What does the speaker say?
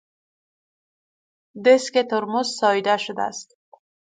دیسک ترمز ساییده شده است.